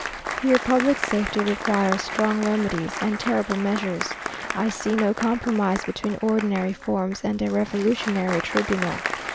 Here public safety requires strong remedies and terrible measures. I see no compromise between ordinary forms and a revolutionary tribunal.